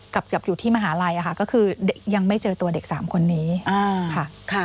กลับอยู่ที่มหาลัยค่ะก็คือยังไม่เจอตัวเด็ก๓คนนี้ค่ะ